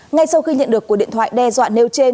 ngay sau khi nhận được cuộc điện thoại đe dọa nêu trên